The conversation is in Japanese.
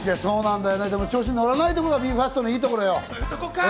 でも調子に乗らないところがＢＥ：ＦＩＲＳＴのいいところよ。